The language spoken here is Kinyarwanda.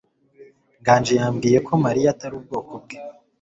nganji yambwiye ko mariya atari ubwoko bwe